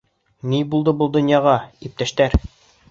Ни булды был донъяға, иптәштәр?